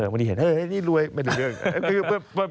วันนี้เห็นนี่รวยไม่ถึงเรื่อง